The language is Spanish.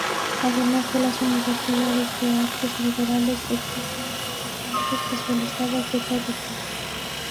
Además de las universidades de artes liberales, existen instituciones especializadas de todo tipo.